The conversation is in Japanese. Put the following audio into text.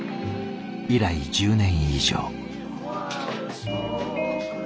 以来１０年以上。